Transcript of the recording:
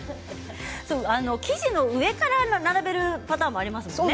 生地の上から並べるパターンもありますよね。